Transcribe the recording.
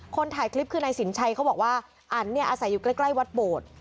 คนถ่ายคลิปคือในสินชัยเขาบอกว่าอันอาศัยอยู่ใกล้วัดโบด